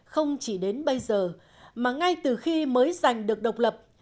không chỉ đến bây giờ mà ngay từ khi mới giành được độc lập